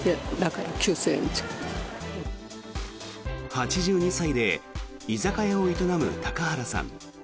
８２歳で居酒屋を営む高原さん。